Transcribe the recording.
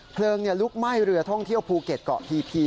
เพลิงลุกไหม้เรือท่องเที่ยวภูเก็ตเกาะพี